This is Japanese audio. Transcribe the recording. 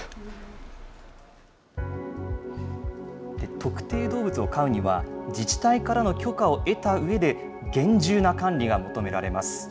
特定動物を飼うには、自治体からの許可を得たうえで、厳重な管理が求められます。